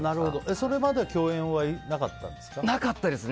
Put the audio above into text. それまで共演はなかったんですか？